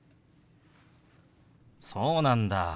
そうなんだ。